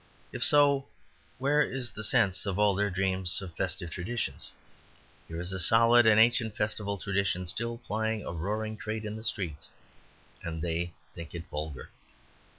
If so, where is the sense of all their dreams of festive traditions? Here is a solid and ancient festive tradition still plying a roaring trade in the streets, and they think it vulgar.